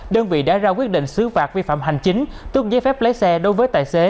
đơn vị đã ra quyết định xứ phạt vi phạm hành chính tước giấy phép lái xe đối với tài xế